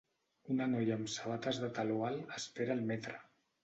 Una noia amb sabates de taló alt espera el metre